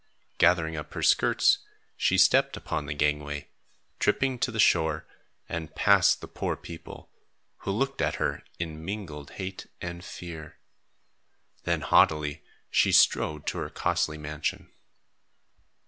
Gathering up her skirts, she stepped upon the gangway, tripping to the shore, and past the poor people, who looked at her in mingled hate and fear. Then haughtily, she strode to her costly mansion.